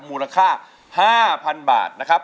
มูลค่า๕๐๐๐บาทนะครับ